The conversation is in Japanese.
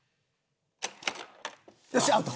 よしアウト！